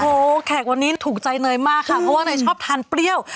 โอ้โหแขกวันนี้ถูกใจเนยมากค่ะเพราะว่าเนยชอบทานเปรี้ยว